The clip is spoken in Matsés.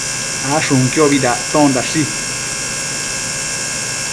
Ashunquiobi dactondashi